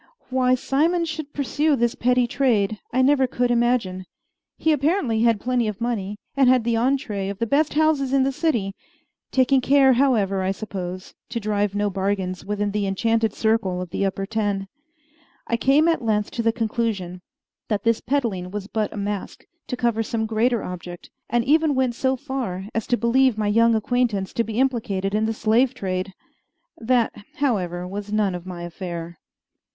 Why Simon should pursue this petty trade I never could imagine. He apparently had plenty of money, and had the entrée of the best houses in the city taking care, however, I suppose, to drive no bargains within the enchanted circle of the Upper Ten. I came at length to the conclusion that this peddling was but a mask to cover some greater object, and even went so far as to believe my young acquaintance to be implicated in the slave trade. That, however, was none of my affair.